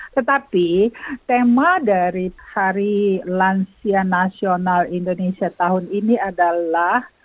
tetapi tema dari hari lansia nasional indonesia tahun ini adalah